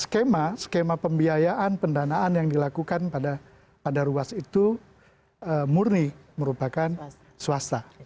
skema skema pembiayaan pendanaan yang dilakukan pada ruas itu murni merupakan swasta